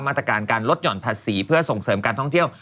มาตรการการลดหย่อนภาษีเพื่อส่งเสริมการท่องเที่ยว